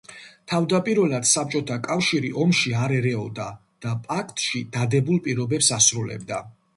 თავდაპირველად საბჭოთა კავშირი ომში არ ერეოდა და პაქტში დადებულ პირობებს ასრულებდა.